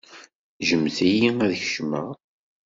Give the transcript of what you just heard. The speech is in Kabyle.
Ǧǧemt-iyi ad kecmeɣ.